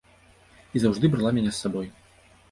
І заўжды брала мяне з сабой.